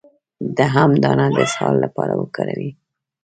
د ام دانه د اسهال لپاره وکاروئ